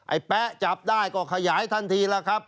แป๊ะจับได้ก็ขยายทันทีแล้วครับ